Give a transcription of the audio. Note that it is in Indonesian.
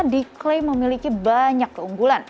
diklaim memiliki banyak keunggulan